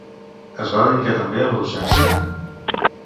Es va dedicar també a la docència?